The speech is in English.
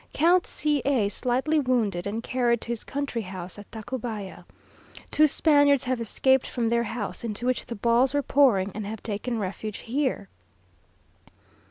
Count C a slightly wounded, and carried to his country house at Tacubaya. Two Spaniards have escaped from their house, into which the balls were pouring, and have taken refuge here.